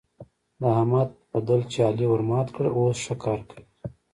د احمد پدل چې علي ورمات کړ؛ اوس ښه کار کوي.